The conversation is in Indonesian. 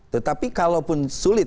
tetapi kalaupun sulit